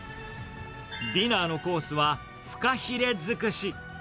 ディナーのコースは、フカヒレ尽くし。